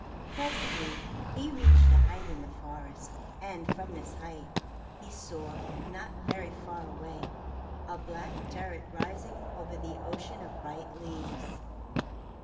Presently he reached a height in the forest, and from this height, he saw, not very far away, a black turret rising over the ocean of bright leaves.